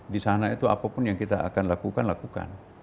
di sana itu apapun yang kita akan lakukan lakukan